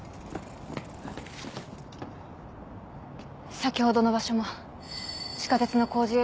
先ほどの場所も地下鉄の工事エリアです。